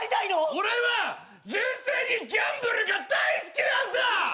俺は純粋にギャンブルが大好きなんだ！